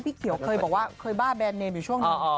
พี่เขียวเขาก็บอกว่าเคยบ้าแบนเมนี่มช่วงหนึ่ง